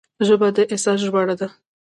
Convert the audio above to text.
ژبه د احساس ژباړه ده